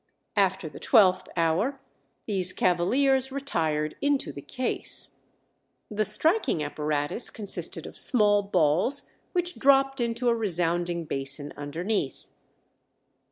After the twelfth hour these cavaliers retired into the case. The striking apparatus consisted of small balls which dropped into a resounding basin underneath.